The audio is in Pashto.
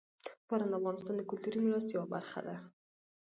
باران د افغانستان د کلتوري میراث یوه برخه ده.